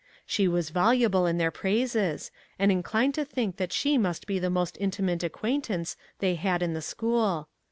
She was voluble in their praises, and inclined to think that she must be the most intimate acquaintance they had in the school.